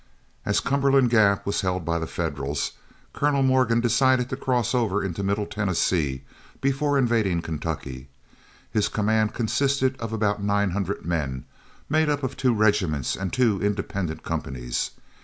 As Cumberland Gap was held by the Federals, Colonel Morgan decided to cross over into Middle Tennessee before invading Kentucky. His command consisted of about nine hundred men, made up of two regiments and two independent companies.